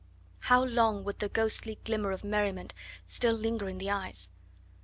How long would the ghostly glimmer of merriment still linger in the eyes?